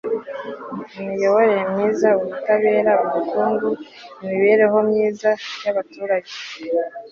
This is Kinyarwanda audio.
imiyoborere myiza, ubutabera, ubukungu n'imibereho myiza y'abaturage